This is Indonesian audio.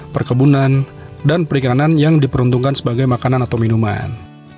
perkebunan dan perikanan yang diperuntukkan sebagai makanan atau minuman